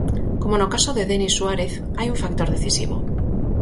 Como no caso de Denis Suárez, hai un factor decisivo.